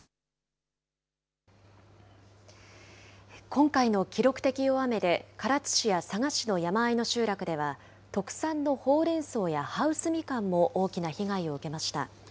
今回の記録的大雨で、唐津市や佐賀市の山あいの集落では、特産のホウレンソウやハウスみかんも大きな被害を受けました。